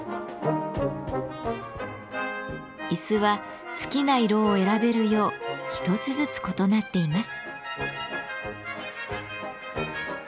椅子は好きな色を選べるよう一つずつ異なっています。